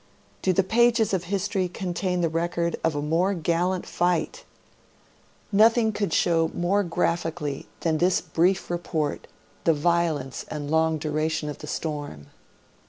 Do the pages of history contain the record of a more gallant fight ! Nothing could show more graphically than this brief report, the violence and long duration of the storm.